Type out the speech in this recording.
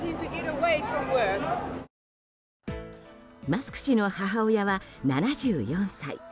マスク氏の母親は７４歳。